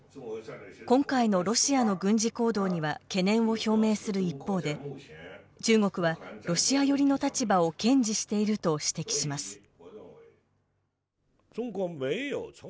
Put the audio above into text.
今回のロシアの軍事行動には懸念を表明する一方で中国は、ロシア寄りの立場を堅持していると指摘します。